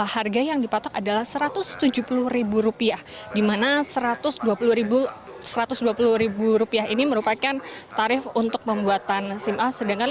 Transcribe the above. harga yang dipatok adalah rp satu ratus tujuh puluh di mana satu ratus dua puluh rupiah ini merupakan tarif untuk pembuatan sim a sedang